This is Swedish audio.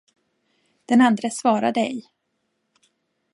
Den andre svarade ej.